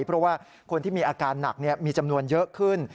เพราะว่าคนที่มีอาการหนักมีจำนวนเยอะขึ้น